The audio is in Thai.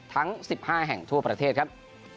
ทั้ง๑๕แห่งทั่วประเทศครับ